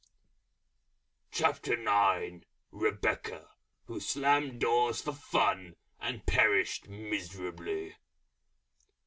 REBECCA, _Who slammed Doors for Fun and Perished Miserably.